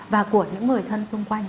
và của những người thân xung quanh